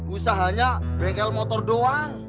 usahanya bengkel motor doang